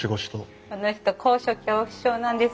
この人高所恐怖症なんです。